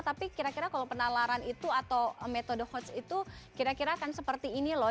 tapi kira kira kalau penalaran itu atau metode hots itu kira kira akan seperti ini loh